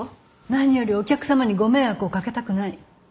何よりお客様にご迷惑をかけたくない。